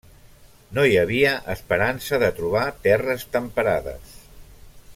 No hi havia esperança de trobar terres temperades.